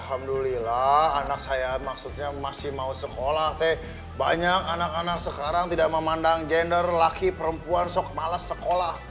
alhamdulillah anak saya maksudnya masih mau sekolah banyak anak anak sekarang tidak memandang gender laki perempuan sok malas sekolah